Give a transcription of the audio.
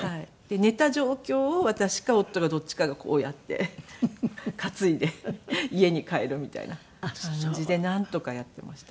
寝た状況を私か夫がどっちかがこうやって担いで家に帰るみたいな感じでなんとかやっていました。